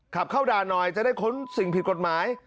ขับเข้าด่านหน่อยจะได้ค้นสิ่งผิดกฎหมาย